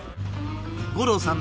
五郎さん